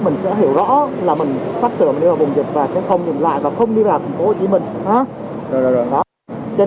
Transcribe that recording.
mình sẽ hiểu rõ là mình sắp tưởng mình đi vào vùng dịch và sẽ không nhìn lại và không đi vào thành phố hồ chí minh